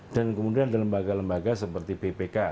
dan kemudian ada lembaga lembaga seperti bpk